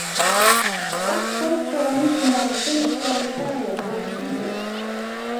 That first revolution by the Finnish proletariat was defeated.